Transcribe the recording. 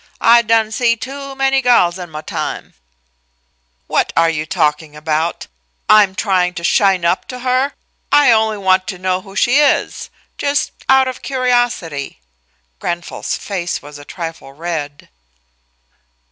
I done see too many guhls in ma time " "What are you talking about? I'm not trying to shine up to her. I only want to know who she is just out of curiosity." Grenfall's face was a trifle red.